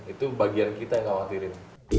itu bagian kita yang khawatirin